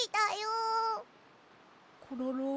コロロ。